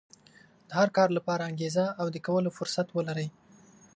د هر کار لپاره انګېزه او د کولو فرصت ولرئ.